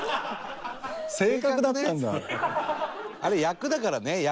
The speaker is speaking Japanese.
あれ役だからね役。